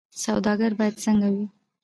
سوداګر باید څنګه وي؟